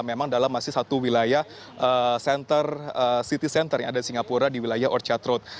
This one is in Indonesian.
memang dalam masih satu wilayah city center yang ada di singapura di wilayah orchard road